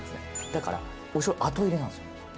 だからお醤油後入れなんですよ